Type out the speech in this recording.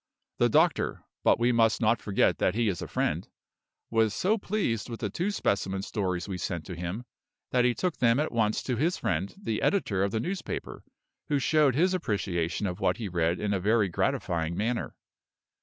The doctor (but we must not forget that he is a friend) was so pleased with the two specimen stories we sent to him, that he took them at once to his friend, the editor of the newspaper, who showed his appreciation of what he read in a very gratifying manner.